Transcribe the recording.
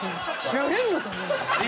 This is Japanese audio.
「やれんのかオイ！」